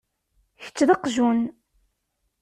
Kečč d aqjun.